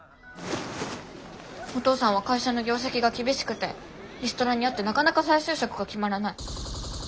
お父さんは会社の業績が厳しくてリストラに遭ってなかなか再就職が決まらない。